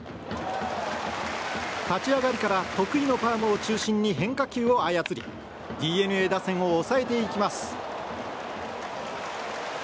立ち上がりから得意のカーブを中心に打線を操りＤｅＮＡ打線を抑えていきます。